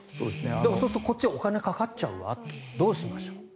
でもそうするとこっちはお金がかかっちゃうわどうしましょうっていう。